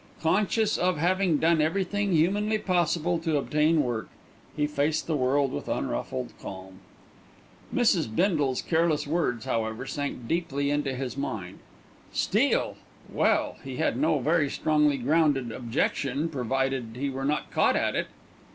Conscious of having done everything humanly possible to obtain work, he faced the world with unruffled calm. Mrs. Bindle's careless words, however, sank deeply into his mind. Steal! Well, he had no very strongly grounded objection, provided he were not caught at it.